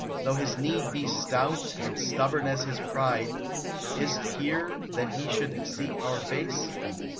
Though his need be stout, And stubborn as his pride. Is 't here that he should seek our face